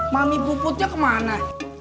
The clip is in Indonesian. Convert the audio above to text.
mami puputnya kemana